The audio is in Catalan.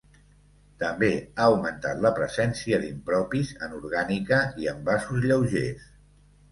També ha augmentat la presència d’impropis en orgànica i envasos lleugers.